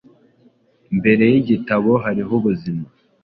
Mbere y‟igitabo hariho ubuzima;